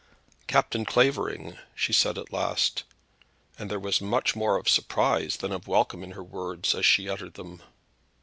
"Captain Clavering!" she said at last, and there was much more of surprise than of welcome in her words as she uttered them.